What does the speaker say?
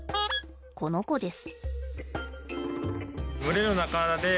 この子です。